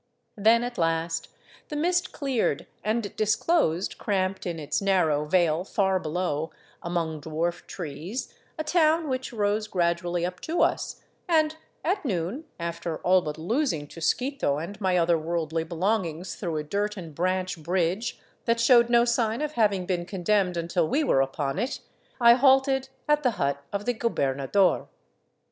Then at last the mist 394 THE ROUTE OF THE CONQUISTADORES cleared and disclosed, cramped in its narrow vale far below among dwarf trees, a town which rose gradually up to us, and at noon, after all but losing Chusquito and my other worldly belongings through a dirt and branch bridge that showed no sign of having been condemned until we were upon it, I halted at the hut of the gobernador.